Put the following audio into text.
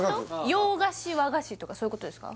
洋菓子和菓子とかそういうことですか？